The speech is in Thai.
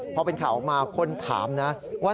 พอเป็นข่าวออกมาคนถามนะว่า